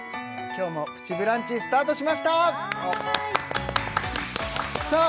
今日も「プチブランチ」スタートしましたさあ